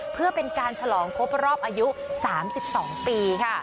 เพื่อเป็นการฉลองครบรอบอายุ๓๒ปีค่ะ